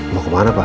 mau kemana pak